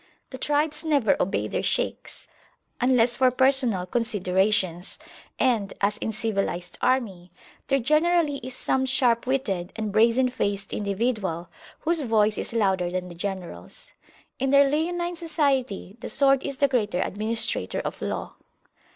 The tribes never obey their Shaykhs, unless for personal considerations, and, as in a civilised army, there generally is some sharp witted and brazen faced individual whose voice is louder than the generals. In their leonine society the sword is the greater administrator of law.